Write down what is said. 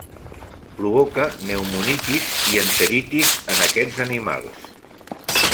Provoca pneumonitis i enteritis en aquests animals.